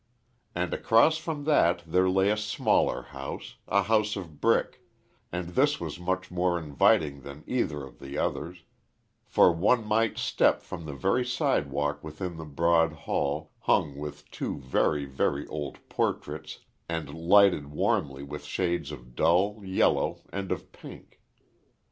And across from that there lay a smaller house a house of brick; and this was much more inviting than either of the others; for one might step from the very sidewalk within the broad hall, hung with two very, very old portraits and lighted warmly with shades of dull yellow, and of pink.